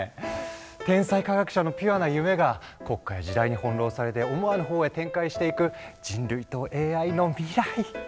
天才科学者のピュアな夢が国家や時代に翻弄されて思わぬ方へ展開していく人類とＡＩの未来。